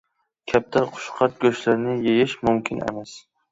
كەپتەر، قۇشقاچ گۆشلىرىنى يېيىش مۇمكىن ئەمەس.